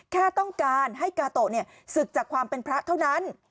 แค่ต้องการให้กาโตะศึกจากความเป็นพระเท่านั้น